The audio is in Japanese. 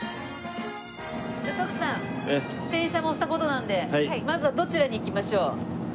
じゃあ徳さん洗車もした事なんでまずはどちらに行きましょう？